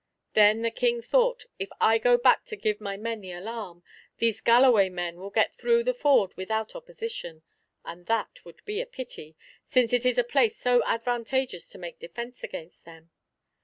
Then the King thought, "If I go back to give my men the alarm, these Galloway men will get through the ford without opposition; and that would be a pity, since it is a place so advantageous to make defence against them."